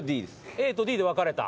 ＡとＤで分かれた。